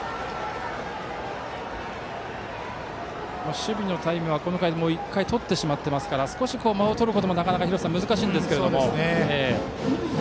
守備のタイムはこの回１回とってしまっていますから間をとることも難しいんですが。